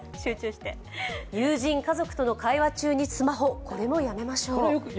友人・家族との会話中のスマホ、これもやめましょう。